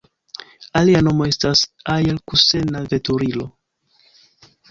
Alia nomo estas aer-kusena veturilo.